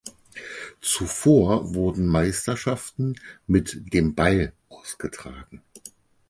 Zuvor wurden Meisterschaften "mit dem Ball" ausgetragen.